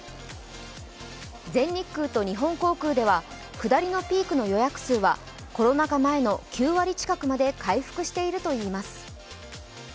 全日空と日本航空では、下りのピークの予約数はコロナ禍前の９割近くまで回復しているといいます。